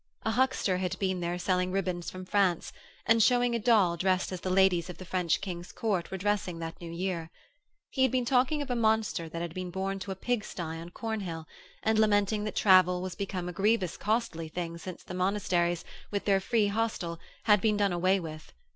A huckster had been there selling ribands from France, and showing a doll dressed as the ladies of the French King's Court were dressing that new year. He had been talking of a monster that had been born to a pig sty on Cornhill, and lamenting that travel was become a grievous costly thing since the monasteries, with their free hostel, had been done away with.